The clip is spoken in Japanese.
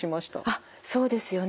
あっそうですよね。